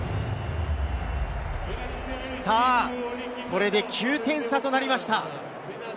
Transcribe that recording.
これで９点差となりました。